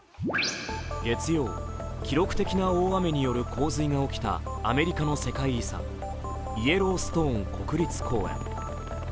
月曜、記録的な大雨による洪水が起きたアメリカの世界遺産イエローストーン国立公園。